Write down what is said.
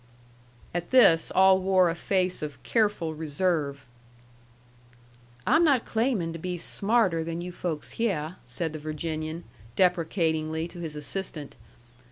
At this, all wore a face of careful reserve. "I'm not claimin' to be smarter than you folks hyeh," said the Virginian, deprecatingly, to his assistant.